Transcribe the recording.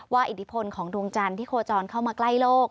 อิทธิพลของดวงจันทร์ที่โคจรเข้ามาใกล้โลก